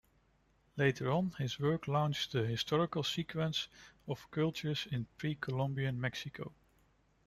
Later on, his work launched the historical sequence of cultures in pre-Columbian Mexico.